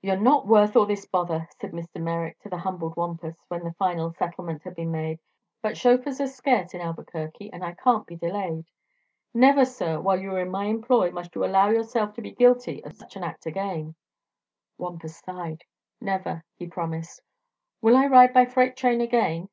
"You're not worth all this bother," said Mr. Merrick to the humbled Wampus, when the final settlement had been made, "but chauffeurs are scarce in Albuquerque and I can't be delayed. Never, sir, while you are in my employ, must you allow yourself to be guilty of such an act again!" Wampus sighed. "Never," he promised, "will I ride by freight train again.